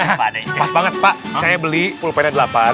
pak de pas banget pak saya beli pulpenya delapan